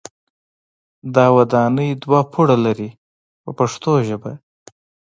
دا ودانۍ دوه پوړه لري په پښتو ژبه.